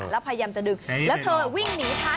แล้วพยายามจะดึงแล้วเธอวิ่งหนีทัน